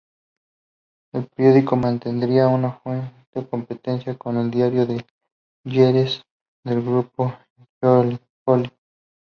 El periódico mantendría una fuerte competencia con el "Diario de Jerez", del grupo Joly.